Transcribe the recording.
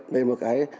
về một cái